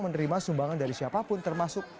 menerima sumbangan dari siapapun termasuk